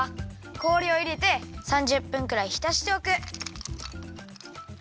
氷をいれて３０分くらいひたしておく。